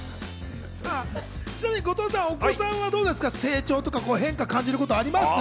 ちなみに後藤さん、お子さんはどうなんですか、成長とか変化感じることありますか？